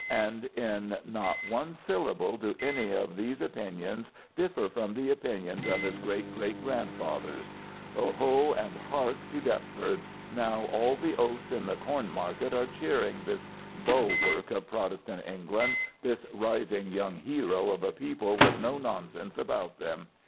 And in not one syllable do any of these opinions differ from the opinions of his great great grandfathers. Oho, and hark to Deptford! now all the oafs in the Corn market are cheering this bulwark of Protestant England, this rising young hero of a people with no nonsense about them.